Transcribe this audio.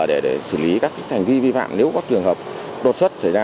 để xử lý các hành vi vi phạm nếu có trường hợp đột xuất xảy ra